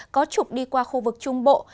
có trục đi qua khu vực trung bộ